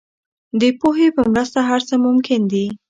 د پوهې په مرسته هر څه ممکن دي.